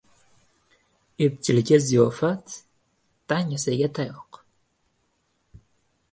• Epchilga — ziyofat, dangasaga — tayoq.